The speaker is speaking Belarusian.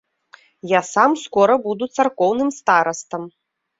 Я сам скора буду царкоўным старастам.